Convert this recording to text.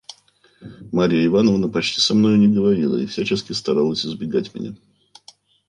Марья Ивановна почти со мною не говорила и всячески старалась избегать меня.